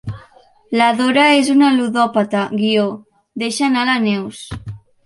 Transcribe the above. La Dora és una ludòpata —deixa anar la Neus.